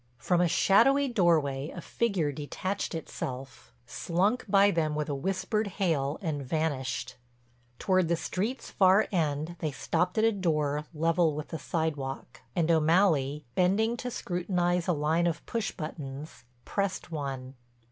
From a shadowy doorway a figure detached itself, slunk by them with a whispered hail and vanished. Toward the street's far end they stopped at a door level with the sidewalk, and O'Malley, bending to scrutinize a line of push buttons, pressed one.